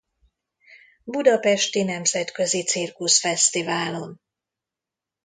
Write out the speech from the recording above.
Budapesti Nemzetközi Cirkuszfesztiválon.